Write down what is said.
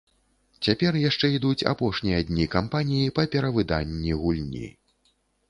Цяпер яшчэ ідуць апошнія дні кампаніі па перавыданні гульні.